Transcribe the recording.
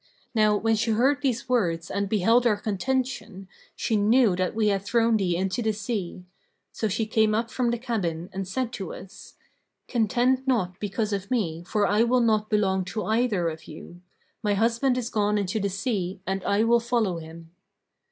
Now when she heard these words and beheld our contention, she knew that we had thrown thee into the sea; so she came up from the cabin and said to us, 'Contend not because of me, for I will not belong to either of you. My husband is gone into the sea and I will follow him.'